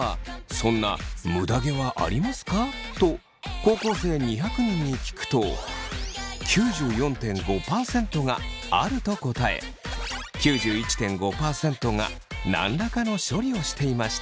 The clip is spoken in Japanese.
そんな「むだ毛はありますか？」と高校生２００人に聞くと９４．５％が「ある」と答え９１．５％が何らかの処理をしていました。